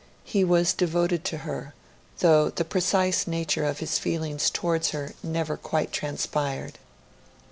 He was devoted to her though the precise nature of his feelings towards her never quite transpired.